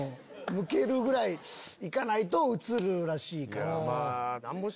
むけるぐらいいかないと映るらしいから。